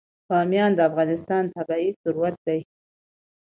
بامیان د افغانستان طبعي ثروت دی.